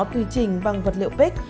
tùy chỉnh bằng vật liệu pic